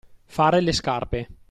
Fare le scarpe.